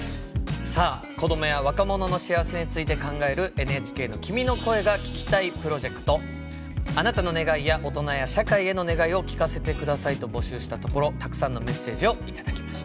さあ子どもや若者の幸せについて考えるＮＨＫの「あなたの願いや大人や社会への願いを聴かせて下さい」と募集したところたくさんのメッセージを頂きました。